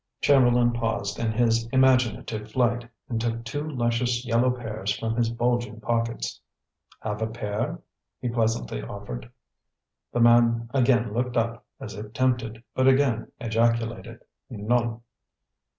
Chamberlain paused in his imaginative flight, and took two luscious yellow pears from his bulging pockets. "Have a pear?" he pleasantly offered. The man again looked up, as if tempted, but again ejaculated "Non!"